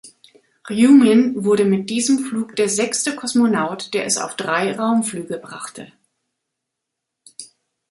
Rjumin wurde mit diesem Flug der sechste Kosmonaut, der es auf drei Raumflüge brachte.